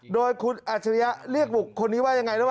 โดยอัฐิริยะเรียกบุกคนที่ว่าอย่างไรแล้วไหม